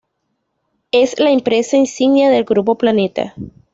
Es la empresa insignia del Grupo Planeta.